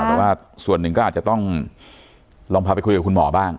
แต่ว่าส่วนหนึ่งก็อาจจะต้องลองพาไปคุยกับคุณหมอบ้าง